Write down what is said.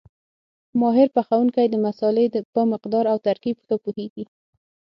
ماهر پخوونکی د مسالې په مقدار او ترکیب ښه پوهېږي.